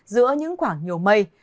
giữa những khoảng nhiều mây